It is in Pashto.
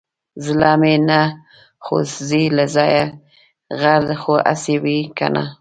زړه مې نه خوځي له ځايه غر خو هسې وي کنه.